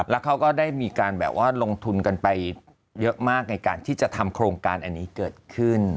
แล้วเขาก็ได้มีการแบบว่าลงทุนกันไปเยอะมากในการที่จะทำโครงการอันนี้เกิดขึ้น